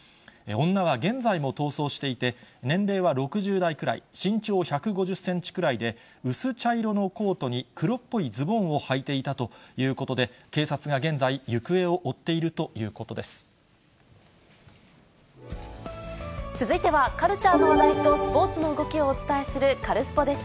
女は現在も逃走していて、年齢は６０代くらい、身長１５０センチぐらいで、薄茶色のコートに、黒っぽいズボンをはいていたということで、警察が現在、続いては、カルチャーの話題とスポーツの動きをお伝えする、カルスポっ！です。